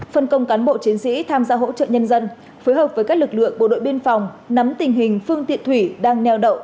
phân công cán bộ chiến sĩ tham gia hỗ trợ nhân dân phối hợp với các lực lượng bộ đội biên phòng nắm tình hình phương tiện thủy đang neo đậu